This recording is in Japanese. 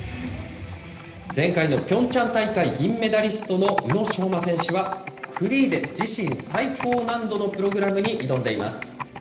前回のピョンチャン大会銀メダリストの宇野昌磨選手は、フリーで自身最高難度のプログラムに挑んでいます。